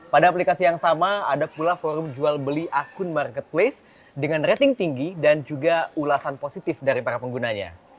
pada aplikasi yang sama ada pula forum jual beli akun marketplace dengan rating tinggi dan juga ulasan positif dari para penggunanya